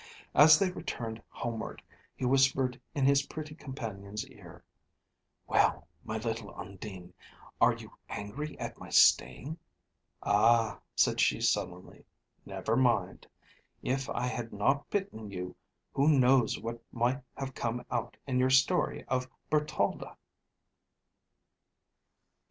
As they returned homeward, he whispered in his pretty companion's ear "Well, my little Undine! are you angry at my staying?" "Ah," said she sullenly, "never mind. If I had not bitten you, who knows what might have come out in your story of Bertalda?"